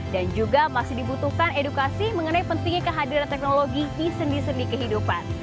dan juga masih dibutuhkan edukasi mengenai pentingnya kehadiran teknologi di sendi sendi kehidupan